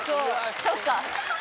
そっか。